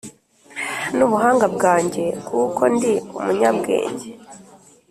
ni ubuhanga bwanjye kuko ndi umunyabwenge.